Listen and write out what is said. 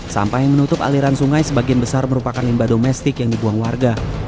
sampah yang menutup aliran sungai sebagian besar merupakan limba domestik yang dibuang warga